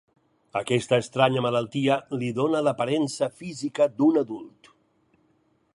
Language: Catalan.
Aquesta estranya malaltia li dóna l'aparença física d'un adult.